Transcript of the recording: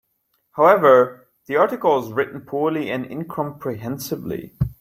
However, the article is written poorly and incomprehensibly.